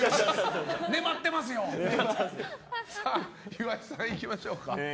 岩井さん、いきましょうか。